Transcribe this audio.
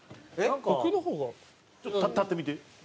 ちょっと立ってみて。